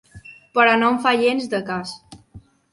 Però no em fa gens de cas.